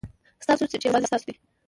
ستاسو سېټ یوازې ستاسو دی.